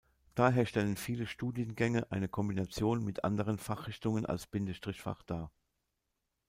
Daher stellen viele Studiengänge eine Kombination mit anderen Fachrichtung als Binde-Strich-Fach dar.